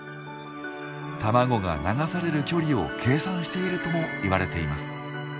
卵が流される距離を計算しているともいわれています。